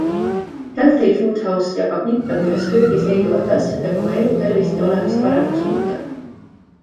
Healthy Food House jagab nippe, kuidas köögis leiduvate asjadega oma elu, tervist ja olemist paremaks muuta.